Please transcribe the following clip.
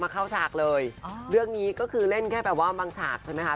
คือเล่นแค่ว่าบางฉากใช่ไหมคะ